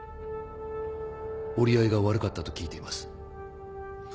折り合いが悪かったと聞いています。